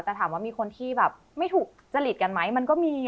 แต่ถามว่ามีคนที่แบบไม่ถูกจริตกันไหมมันก็มี